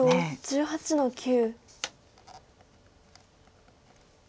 黒１８の九。